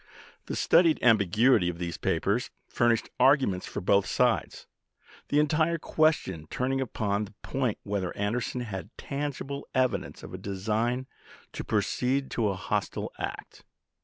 The studied ambiguity of these papers furnished arguments for both sides, the entire question turning upon the point whether Anderson had "tangible evidence of a design to proceed to a hostile act."